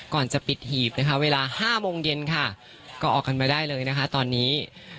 ก่อนจะปิดหีบนะคะเวลา๕โมงเย็นค่ะก็ออกกันมาได้เลยนะคะตอนนี้